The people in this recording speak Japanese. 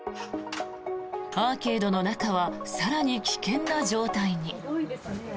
アーケードの中は更に危険な状態に。